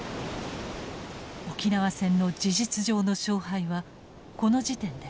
沖縄戦の事実上の勝敗はこの時点で決していた。